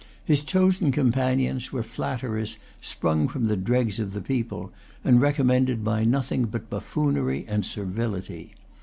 His chosen companions were flatterers sprung from the dregs of the people, and recommended by nothing but buffoonery and, servility.